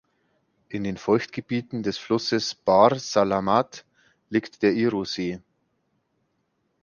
In den Feuchtgebieten des Flusses Bahr Salamat liegt der Iro-See.